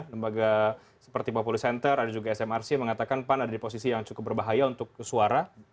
lembaga seperti populi center ada juga smrc mengatakan pan ada di posisi yang cukup berbahaya untuk suara